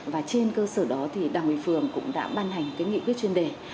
và trên cơ sở đó thì đảng quỳnh phường cũng đã ban hành nghị quyết chuyên đề